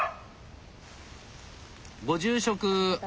・ご住職！